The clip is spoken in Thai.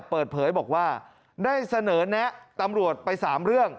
เปิดเผยบอกว่าได้เสนอแนะตำรวจไป๓เรื่อง